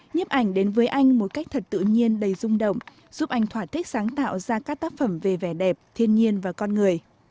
nhếp ảnh đến với anh một cách thật tự nhiên đầy rung động giúp anh thỏa thích sáng tạo ra các tác phẩm về vẻ đẹp thiên nhiên và con người